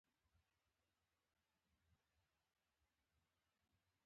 د ټکنالوجۍ پرمختګ ژوند اسان کړی دی.